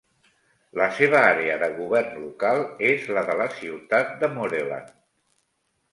La seva àrea de govern local és la de la ciutat de Moreland.